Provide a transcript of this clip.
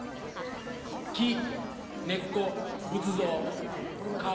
木根っこ仏像顔。